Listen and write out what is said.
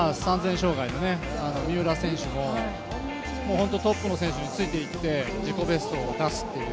障害の三浦選手も本当トップの選手についていって自己ベストを出すっていう。